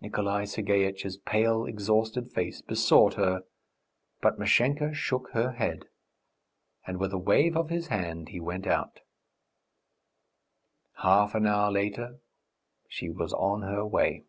Nikolay Sergeitch's pale, exhausted face besought her, but Mashenka shook her head, and with a wave of his hand he went out. Half an hour later she was on her way.